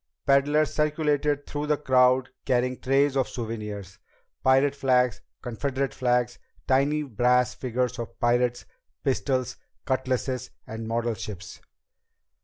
Peddlers circulated through the crowd carrying trays of souvenirs pirate flags, Confederate flags, tiny brass figures of pirates, pistols, cutlasses, and model ships.